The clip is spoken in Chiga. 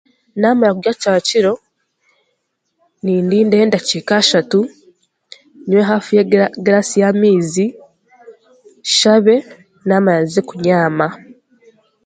Naamara kurya kyakiro, nindinda edakiika eishatu, nywe egiraasi y'amaizi nshabe reero naamara nze kubyama